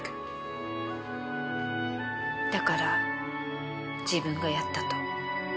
だから自分がやったと？